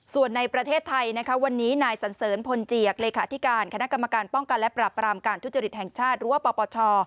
ส่วนในประเทศไทยนะคะวันนี้นายสันเสริญพลเจียกเลขาธิการคณะกรรมการป้องกันและปรับรามการทุจริตแห่งชาติหรือว่าปปช